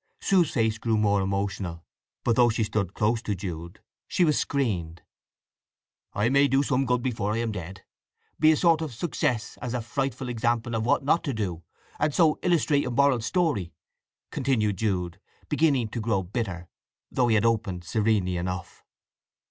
Sue's face grew more emotional; but though she stood close to Jude she was screened. "I may do some good before I am dead—be a sort of success as a frightful example of what not to do; and so illustrate a moral story," continued Jude, beginning to grow bitter, though he had opened serenely enough.